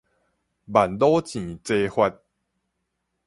萬弩箭齊發